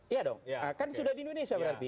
iya dong kan sudah di indonesia berarti